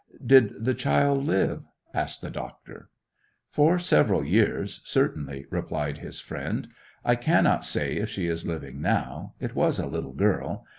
'Did the child live?' asked the doctor. 'For several years, certainly,' replied his friend. 'I cannot say if she is living now. It was a little girl.